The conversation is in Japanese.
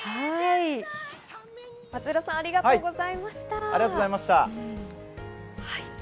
松浦さん、ありがとうございました。